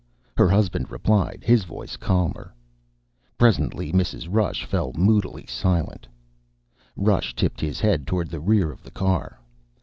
Her husband replied, his voice calmer. Presently, Mrs. Rush fell moodily silent. Rush tipped his head toward the rear of the car.